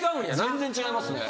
全然違いますね。